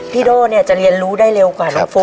พี่โด่จะเรียนรู้ได้เร็วกว่าน้องฟุ๊ก